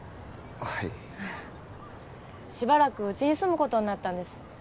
はいしばらくうちに住むことになったんです